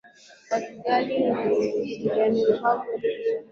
ka kigali ni juliani rubavu elefiki swahili